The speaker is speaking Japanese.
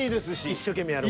一生懸命やる。